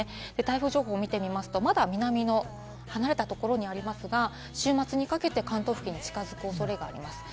台風情報を見てみますと、まだ南の離れたところにありますが、週末にかけて関東付近に近づくおそれがあります。